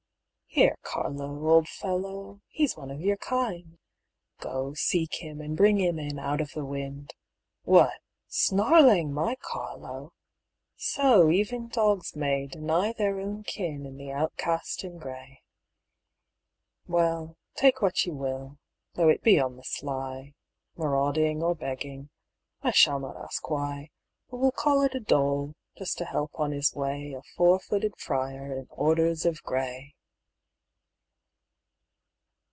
Here, Carlo, old fellow, he's one of your kind, Go, seek him, and bring him in out of the wind. What! snarling, my Carlo! So even dogs may Deny their own kin in the outcast in gray. Well, take what you will, though it be on the sly, Marauding or begging, I shall not ask why, But will call it a dole, just to help on his way A four footed friar in orders of gray!